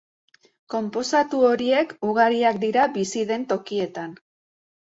Konposatu horiek ugariak dira bizi den tokietan.